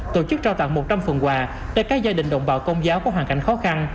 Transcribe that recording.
tổ chức trao tặng một trăm linh phần quà cho các gia đình đồng bào công giáo có hoàn cảnh khó khăn